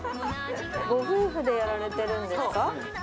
ご夫婦でやられてるんですか？